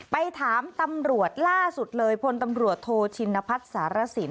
ไปถามตำรวจล่าสุดเลยพลตำรวจโทชินพัฒน์สารสิน